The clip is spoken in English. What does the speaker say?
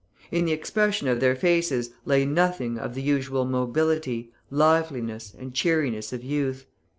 In the expression of their faces lay nothing of the usual mobility, liveliness, and cheeriness of youth.